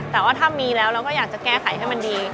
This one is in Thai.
แต่ว่าถ้ามีแล้วเราก็อยากจะแก้ไขให้มันดี